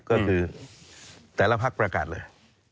ก็คือแต่ละพักประกาศเลย